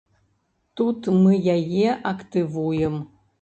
Тут мы яе актывуем.